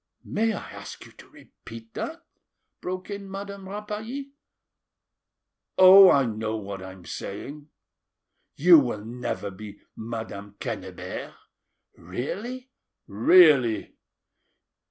'" "May I ask you to repeat that?" broke in Madame Rapally "Oh! I know what I am saying. You will never be Madame Quennebert." "Really?" "Really."